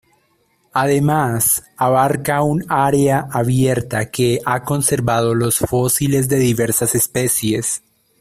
Además, abarca un área abierta que ha conservado los fósiles de diversas especies.